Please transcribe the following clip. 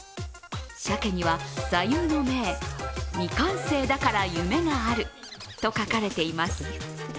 鮭には、座右の銘「未完成だから、夢がある」と書かれています。